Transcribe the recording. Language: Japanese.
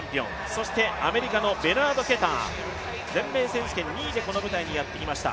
そしてアメリカのベナード・ケター全米選手権２位でこの舞台にやってきました。